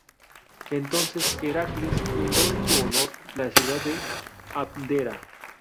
Entonces Heracles fundó en su honor la ciudad de Abdera.